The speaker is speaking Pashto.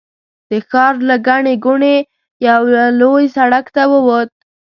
د ښار له ګڼې ګوڼې یوه لوی سړک ته ووت.